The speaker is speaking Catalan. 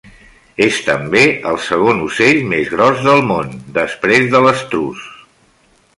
És també el segon ocell més gros del món, després de l'estruç.